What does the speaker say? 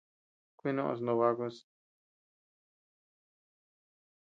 Kuinoʼos noo bakus.